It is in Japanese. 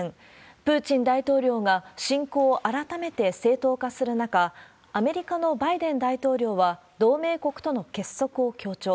プーチン大統領が侵攻を改めて正当化する中、アメリカのバイデン大統領は、同盟国との結束を強調。